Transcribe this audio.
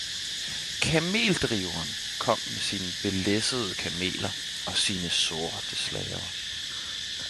Kameldriveren kom med sine belæssede kameler og sine sorte slaver